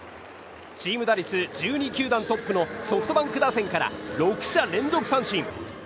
チーム打率１２球団トップのソフトバンク打線から６者連続三振。